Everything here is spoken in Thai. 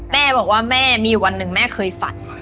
แม่บอกว่าแม่มีวันหนึ่งแม่เคยฝัน